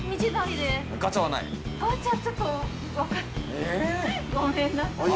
ええ。ごめんなさい。